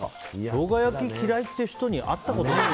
ショウガ焼き嫌いっていう人に会ったことない。